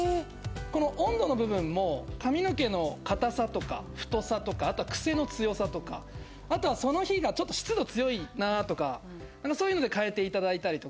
この温度の部分も髪の毛の硬さとか太さとかあとは癖の強さとかあとはその日が湿度強いなとかそういうので変えていただいたりとか。